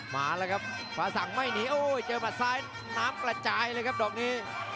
มาแล้วครับฟ้าสั่งไม่หนีโอ้ยเจอหมัดซ้ายน้ำกระจายเลยครับดอกนี้